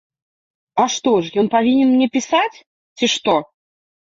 А што ж ён павінен мне пісаць, ці што?